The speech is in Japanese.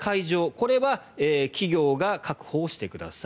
これは企業が確保をしてください。